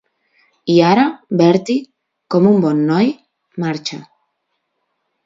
I ara, Bertie, com un bon noi, marxa.